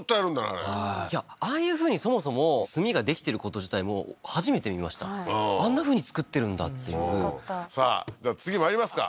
あれああいうふうにそもそも炭ができてること自体も初めて見ましたあんなふうに作ってるんだっていうさあ次まいりますか